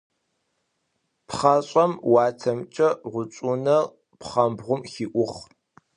Пхъашӏэм уатэмкӏэ гъучӏыӏунэр пхъмэбгъум хиӏугъ.